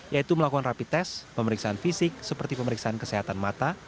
yaitu melakukan rapi tes pemeriksaan fisik seperti pemeriksaan kesehatan mata